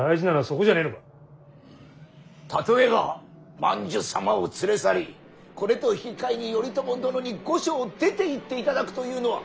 例えば万寿様を連れ去りこれと引き換えに頼朝殿に御所を出ていっていただくというのは。